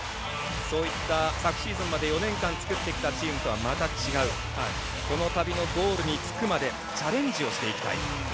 そういった昨シーズンまで４年間作ってきたチームとはまた違うこの旅のゴールにつくまでチャレンジをしていきたい。